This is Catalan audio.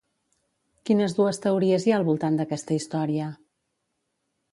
Quines dues teories hi ha al voltant d'aquesta història?